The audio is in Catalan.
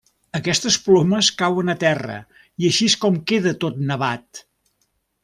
Aquestes plomes cauen a terra i així és com queda tot nevat.